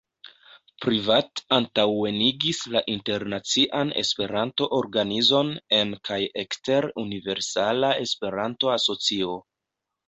Privat antaŭenigis la internacian Esperanto-organizon en kaj ekster Universala Esperanto-Asocio.